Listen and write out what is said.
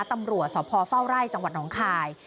ตำรวจสพเฝ้าไร่จังหวัดน้องคาย